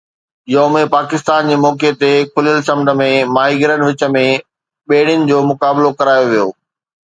يوم پاڪستان جي موقعي تي کليل سمنڊ ۾ ماهيگيرن وچ ۾ ٻيڙين جو مقابلو ڪرايو ويو